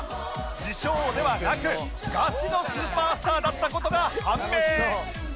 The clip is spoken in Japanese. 自称ではなくガチのスーパースターだった事が判明！